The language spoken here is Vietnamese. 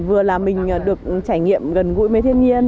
vừa là mình được trải nghiệm gần gũi với thiên nhiên